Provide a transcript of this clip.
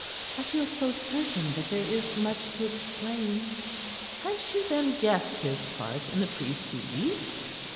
I feel so certain that there is much to explain." Had she then guessed his part in the priest's release?